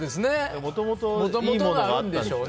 もともといいものがあるんでしょうね。